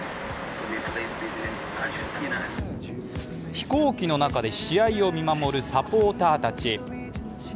飛行機の中で試合を見守るサポーターたち。